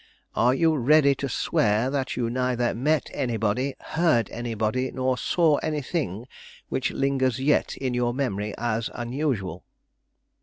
Are you ready to swear that you neither met anybody, heard anybody, nor saw anything which lingers yet in your memory as unusual?"